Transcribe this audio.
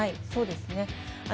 そうですね。